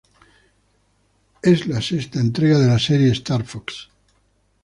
Es la sexta entrega de la serie "Star Fox".